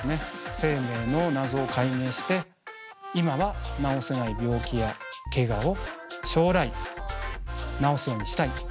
生命の謎を解明して今は治せない病気やけがを将来治すようにしたい。